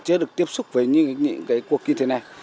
chưa được tiếp xúc với những cái cuộc như thế này